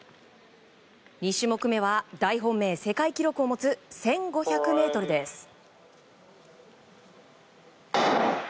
２種目めは、大本命世界記録を持つ１５００ｍです。